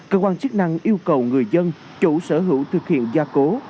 cơ quan chức năng yêu cầu người dân chủ sở hữu thực hiện gia cố